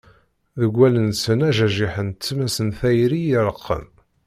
Deg wallen-nsen ajajiḥ n tmes n tayri i ireqqen.